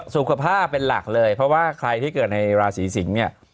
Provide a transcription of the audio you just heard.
สุขภาพเป็นหลักเลยเพราะว่าใครที่เกิดในราศีสิงศ์เนี่ย